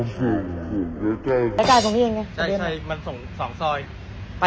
ตอนแรกลึกว่าอันนเล็กวะ